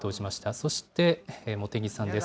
そして茂木さんです。